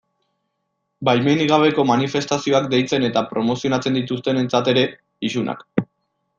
Baimenik gabeko manifestazioak deitzen eta promozionatzen dituztenentzat ere, isunak.